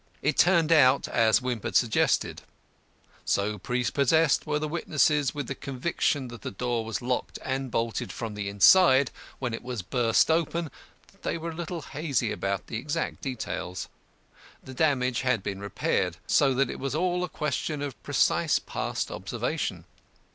It turned out as Wimp had suggested; so prepossessed were the witnesses with the conviction that the door was locked and bolted from the inside when it was burst open that they were a little hazy about the exact details. The damage had been repaired, so that it was all a question of precise past observation.